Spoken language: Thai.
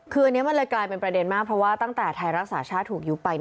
คืออันนี้มันเลยกลายเป็นประเด็นมากเพราะว่าตั้งแต่ไทยรักษาชาติถูกยุบไป